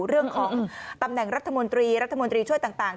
เรื่องของตำแหน่งรัฐมนตรีรัฐมนตรีช่วยต่าง